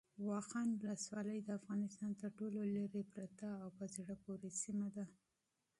واخان ولسوالۍ د افغانستان تر ټولو لیرې پرته او په زړه پورې سیمه ده.